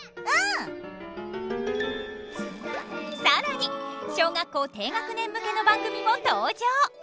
更に小学校低学年向けの番組も登場！